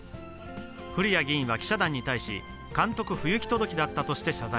古屋議員は記者団に対し、監督不行き届きだったとして謝罪。